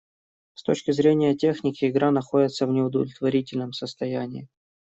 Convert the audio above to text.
С точки зрения техники, игра находится в неудовлетворительном состоянии.